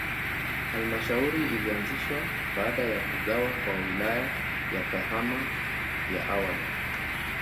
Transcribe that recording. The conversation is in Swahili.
Halmashauri ilianzishwa baada ya kugawa kwa Wilaya ya Kahama ya awali.